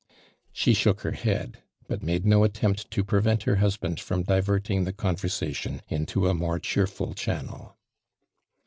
She shook her head, but made no attempt to prevent her husband from diverting tnt' conversation into a more cheerful channel.